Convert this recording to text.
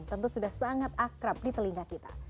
tentu sudah sangat akrab di telinga kita